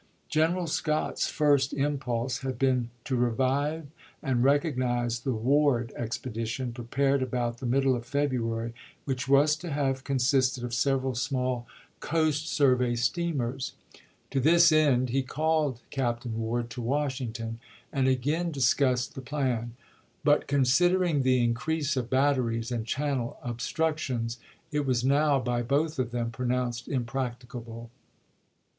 General Scott's first im pulse had been to revive and reorganize the Ward expedition, prepared about the middle of February, which was to have consisted of several small Coast THE QUESTION OF SUMTER 383 Survey steamers. To this end he called Captain ch. xxiii. Ward to Washington and again discussed the plan. But considering the increase of batteries and channel obstructions, it was now by both of them pronounced impracticable.